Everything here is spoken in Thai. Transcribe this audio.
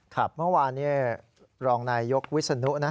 ครับเมื่อวานรองนายยกวิศนุนะ